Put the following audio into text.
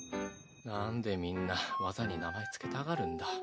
なんでみんな技に名前付けたがるんだ？